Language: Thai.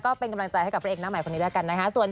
ก็เป็นกำลังใจให้กับพระเอกหน้าใหม่คนนี้แล้วกันนะคะ